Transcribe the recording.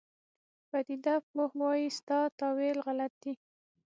پدیده پوه وایي ستا تاویل غلط دی.